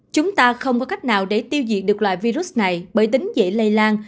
chúng ta không có cách nào để tiêu diệt được loại virus này bởi tính dễ lây lan